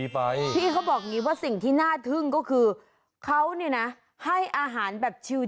พี่เขาบอกว่าสิ่งที่น่าทึ่งก็คือเขาให้อาหารแบบชิว